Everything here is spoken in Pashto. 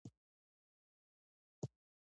له هغه څخه کار واخلي.